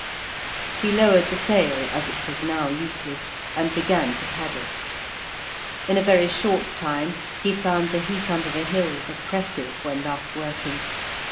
He lowered the sail, as it was now useless, and began to paddle; in a very short time he found the heat under the hills oppressive when thus working.